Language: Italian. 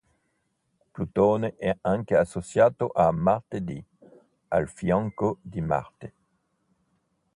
Plutone è anche associato a Martedì, al fianco di Marte.